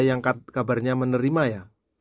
yang kabarnya menerima ya